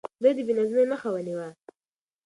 ده د بې نظمۍ مخه ونيوه.